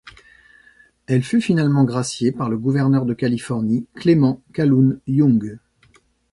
Elle fut finalement graciée par le gouverneur de Californie Clement Calhoun Young.